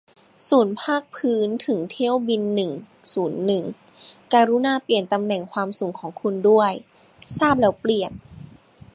ศูนย์ภาคพื้นถึงเที่ยวบินหนึ่งศูนย์หนึ่ง กรุณาเปลี่ยนตำแหน่งความสูงของคุณด้วย ทราบแล้วเปลี่ยน